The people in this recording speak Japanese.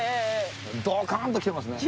ドカーンときてますね。